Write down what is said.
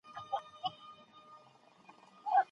قصاص د وحشت مخه نیسي.